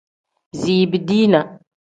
Ziibi-dinaa.